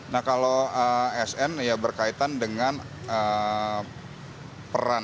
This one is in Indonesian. nah kalau sn ya berkaitan dengan peran